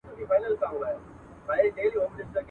پخواني خلک خټکي خوړل.